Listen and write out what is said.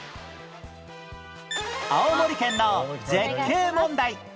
青森県の絶景問題